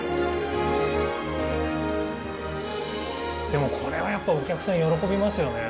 でもこれはやっぱお客さん喜びますよね。